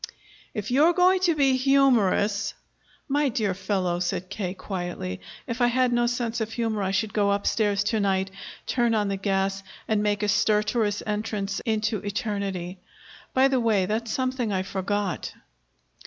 "If you're going to be humorous " "My dear fellow," said K. quietly, "if I had no sense of humor, I should go upstairs to night, turn on the gas, and make a stertorous entrance into eternity. By the way, that's something I forgot!"